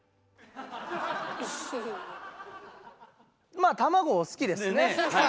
まあ卵好きですね。